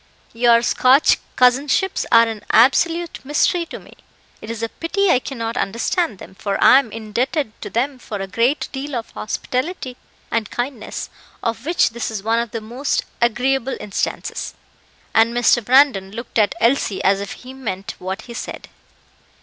Your Scotch cousinships are an absolute mystery to me; it is a pity I cannot understand them, for I am indebted to them for a great deal of hospitality and kindness, of which this is one of the most agreeable instances;" and Mr. Brandon looked at Elsie as if he meant what he said.